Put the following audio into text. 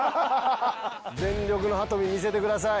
全力の羽富見せてください。